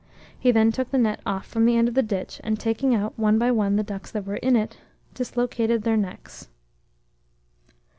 He then took the net off from the end of the ditch, and taking out, one by one, the ducks that were in it, dislocated their necks."